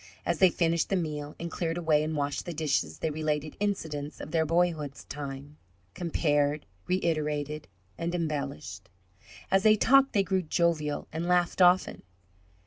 As they finished the meal and cleared away and washed the dishes they related incidents of their boyhood's time, compared, reiterated, and embellished. As they talked they grew jovial, and laughed often.